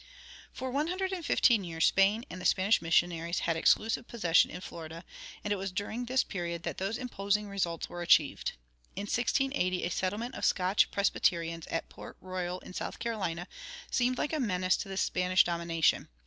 For one hundred and fifteen years Spain and the Spanish missionaries had exclusive possession in Florida, and it was during this period that these imposing results were achieved. In 1680 a settlement of Scotch Presbyterians at Port Royal in South Carolina seemed like a menace to the Spanish domination.